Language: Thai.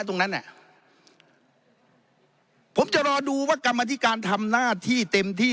ตรงนั้นน่ะผมจะรอดูว่ากรรมธิการทำหน้าที่เต็มที่